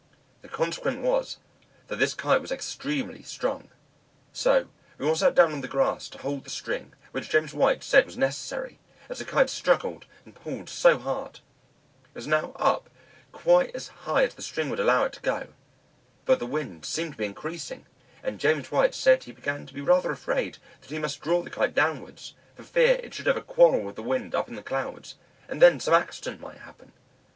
The consequence was, that this Kite was extremely strong. So we all sat down on the grass to hold the string, which James White said was necessary, as the Kite struggled and pulled so hard. It was now up quite as high as the string would allow it to go. But the wind seemed to be increasing, and James White said he began to be rather afraid that he must draw the Kite downwards, for fear it should have a quarrel with the wind up in the clouds, and then some accident might happen.